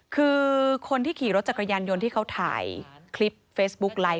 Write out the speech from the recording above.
คือคนที่ขี่รถจักรยานยนต์ที่เขาถ่ายคลิปเฟซบุ๊กไลค